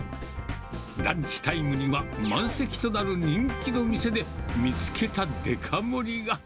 ランチタイムには満席となる人気の店で見つけたデカ盛りが。